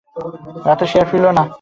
রাতে সে আর ফিরে এল না।